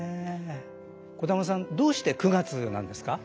小玉さんどうして９月なんですか？